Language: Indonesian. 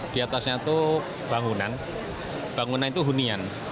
di atasnya itu bangunan bangunan itu hunian